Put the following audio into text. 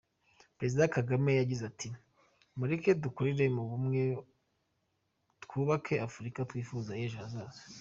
Perezida Kagame yagize ati “Mureke dukorere mu bumwe, twubake Africa twifuza y’ejo hazaza”.